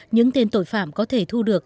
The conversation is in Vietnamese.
những tên tội phạm có thể thu được